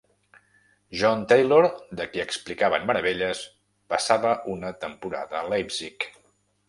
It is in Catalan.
John Taylor, de qui explicaven meravelles, passava una temporada a Leipzig.